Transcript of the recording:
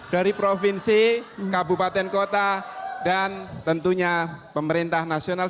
dari provinsi kabupaten kota dan tentunya pemerintah nasional